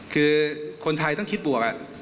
คือคนไทยต้องคิดบวก